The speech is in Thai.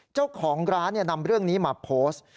เจ้าของร้านนำเรื่องนี้มาโพสต์